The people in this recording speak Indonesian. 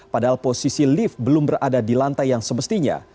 padahal posisi lift belum berada di lantai yang semestinya